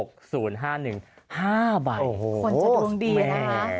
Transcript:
คนจะดวงดีนะคะ